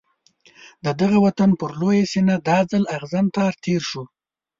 د دغه وطن پر لویه سینه دا ځل اغزن تار تېر شو.